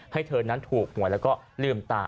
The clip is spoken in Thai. ให้เธอนั้นถูกหวยแล้วก็ลืมตา